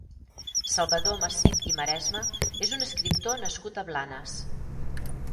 Salvador Macip i Maresma és un escriptor nascut a Blanes.